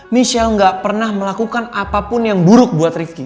michelle gak pernah melakukan apapun yang buruk buat rifki